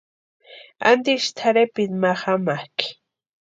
¿Antisï tʼarhepiti ma jamakʼi?